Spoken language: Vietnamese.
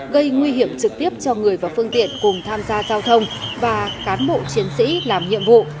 gây nguy hiểm trực tiếp cho người và phương tiện cùng tham gia giao thông và cán bộ chiến sĩ làm nhiệm vụ